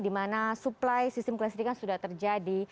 di mana suplai sistem kelesidikan sudah terjadi